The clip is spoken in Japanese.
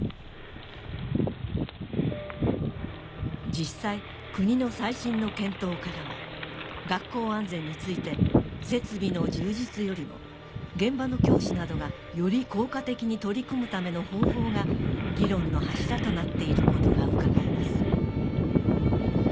実際国の最新の検討からは学校安全について設備の充実よりも現場の教師などがより効果的に取り組むための方法が議論の柱となっていることがうかがえます